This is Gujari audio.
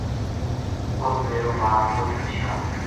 اُت میرو باپ مُچ پرشان ہویو